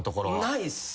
ないっす。